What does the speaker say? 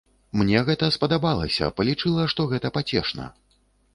Мне гэта спадабалася, палічыла, што гэта пацешна.